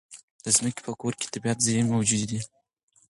د ځمکې په کوره کې طبیعي زېرمې موجودې وي.